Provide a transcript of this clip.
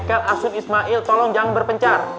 haikal asun ismail tolong jangan berpencar